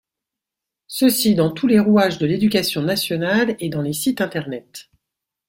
Ceci dans tous les rouages de l’Éducation Nationale, et dans les sites internet.